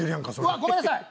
うわあごめんなさい！